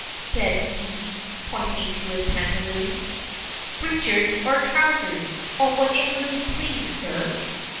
said he, pointing to his pantaloons. "Breeches or trousers, or whatever you please, sir."